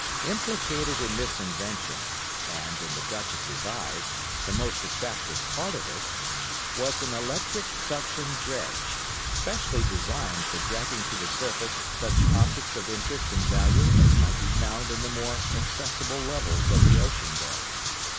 Implicated in this invention (and, in the Duchess's eyes, the most attractive part of it) was an electric suction dredge, specially designed for dragging to the surface such objects of interest and value as might be found in the more accessible levels of the ocean bed.